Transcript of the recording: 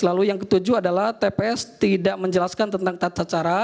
lalu yang ketujuh adalah tps tidak menjelaskan tentang tata cara